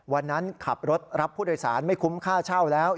วันนั้นขับรถรับผู้โดยสารไม่คุ้มค่าเช่าแล้ว